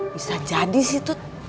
bisa jadi sih tuk